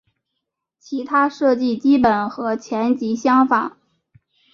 其他设计基本和前级相仿。